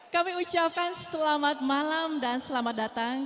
kami ucapkan selamat malam dan selamat datang